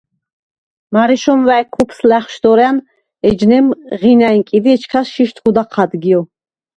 მარე შომვა̈ჲ ქუფს ლა̈ხშდორან, ეჯნემ ღინ ა̈ნკიდ ი ეჩქას შიშდ გუდ აჴად გიო.